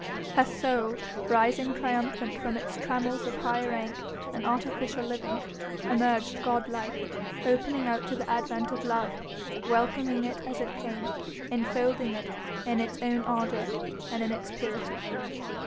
Her soul rising triumphant from its trammels of high rank and artificial living emerged god like, opening out to the advent of love, welcoming it as it came, enfolding it in its own ardour and in its purity.